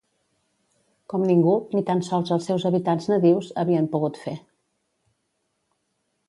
Com ningú, ni tan sols els seus habitants nadius, havien pogut fer